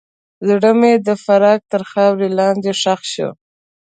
زړه مې د فراق تر خاورو لاندې ښخ شو.